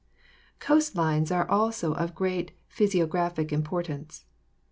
Coast lines also are of great physiographic importance.